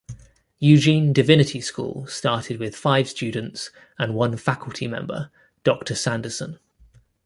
Eugene Divinity School started with five students and one faculty member, Doctor Sanderson.